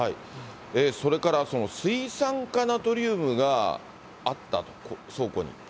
それから水酸化ナトリウムがあったと、倉庫に。